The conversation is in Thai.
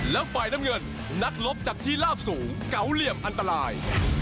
แล้วฝ่ายน้ำเงินนักลบจากที่ลาบสูงเก๋าเหลี่ยมอันตราย